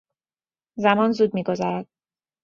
زمان زود میگذرد.